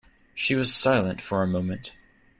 She was silent for a moment.